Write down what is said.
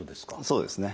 そうですね。